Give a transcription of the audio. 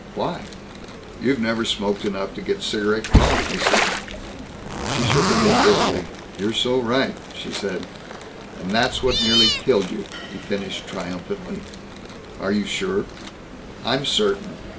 "Why?" "You've never smoked enough to get a cigarette cough," he said. She shook her head dizzily. "You're so right," she said. "And that's what nearly killed you," he finished triumphantly. "Are you sure?" "I'm certain.